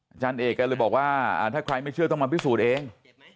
อาจารย์เอกก็เลยบอกว่าถ้าใครไม่เชื่อต้องมาพิสูจน์เอง